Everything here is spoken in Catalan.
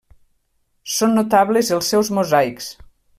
Són notables els seus mosaics.